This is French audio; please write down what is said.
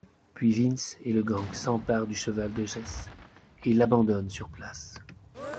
Puis, Vince et le gang s'emparent du cheval de Jess et l'abandonnent sur place.